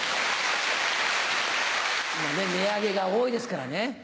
今ね値上げが多いですからね。